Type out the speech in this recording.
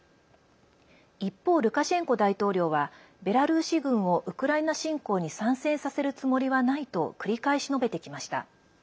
一方、ルカシェンコ大統領はベラルーシ軍をウクライナ侵攻に参戦させるつもりはないと繰り返し述べてきました。